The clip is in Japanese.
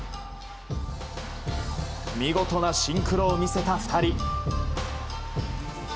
見事なシンクロを見せた２人。